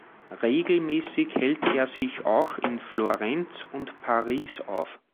Regelmäßig hält er sich auch in Florenz und Paris auf.